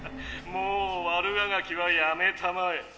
もうわるあがきはやめたまえ。